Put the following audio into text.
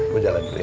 gue jalan dulu ya